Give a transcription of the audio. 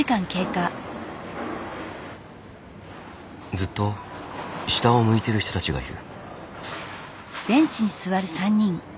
ずっと下を向いてる人たちがいる。